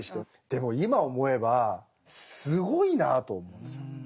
でも今思えばすごいなと思うんですよ。